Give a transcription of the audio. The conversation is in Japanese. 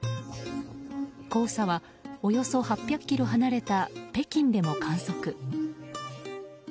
黄砂はおよそ８００ｋｍ離れた北京でも観測。